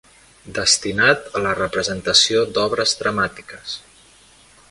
Destinat a la representació d'obres dramàtiques.